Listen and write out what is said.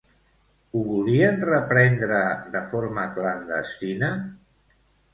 Ho volien reprendre de forma clandestina?